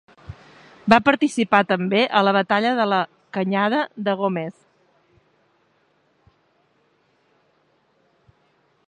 Va participar també a la batalla de la Canyada de Gómez.